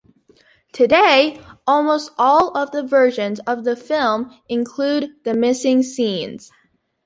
Today, almost all of the versions of the film include the missing scenes.